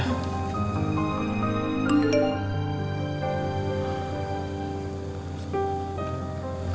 aku akan cek